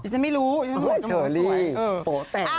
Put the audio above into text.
ฉันไม่รู้ฉันไม่รู้ว่าจมูกสวย